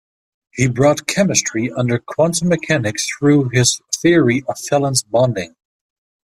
He brought chemistry under quantum mechanics through his theory of valence bonding.